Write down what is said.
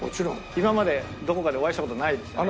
今までどこかでお会いした事ないですね？